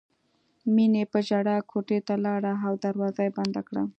مینې په ژړا کوټې ته لاړه او دروازه یې بنده کړه